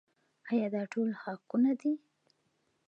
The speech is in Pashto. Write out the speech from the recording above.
آیا دا ټول حقونه دي؟